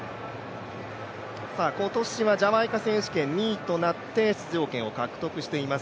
今年はジャマイカ選手権２位となって出場権を獲得しています